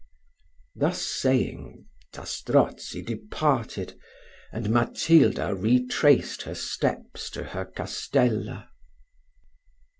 Thus saying, Zastrozzi departed, and Matilda retraced her steps to her castella.